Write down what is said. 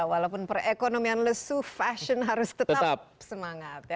walaupun perekonomian lesu fashion harus tetap semangat